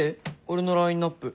俺のラインナップ。